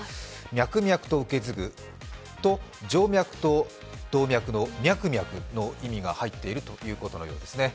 脈々と受け継ぐと、静脈と動脈の脈・脈の意味が入っているようですね。